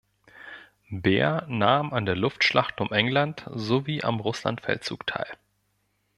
Bär nahm an der Luftschlacht um England sowie am Russlandfeldzug teil.